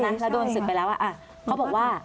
แล้วโดนศึกไปแล้วเขาบอกว่า